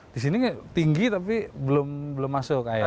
di sini tinggi tapi belum masuk